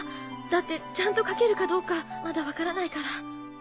だってちゃんと書けるかどうかまだ分からないから。